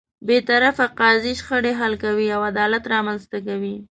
بېطرفه قاضی شخړې حل کوي او عدالت رامنځته کوي.